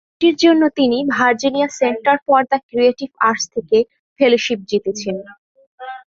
বইটির জন্যে তিনি Virginia Center for the Creative Arts থেকে ফেলোশিপ জিতেছেন।